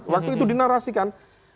waktu itu dinarasikan